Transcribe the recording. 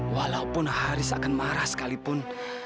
walaupun haris akan marah sekalipun